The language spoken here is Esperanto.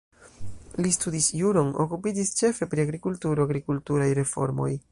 Li studis juron, okupiĝis ĉefe pri agrikulturo, agrikulturaj reformoj.